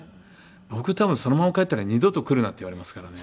僕多分そのまま帰ったら二度と来るなって言われますからね。